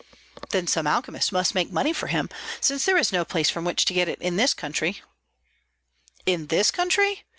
"Then some alchemist must make money for him, since there is no place from which to get it in this country." "In this country?